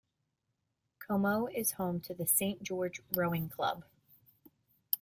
Como is home to the Saint George Rowing Club.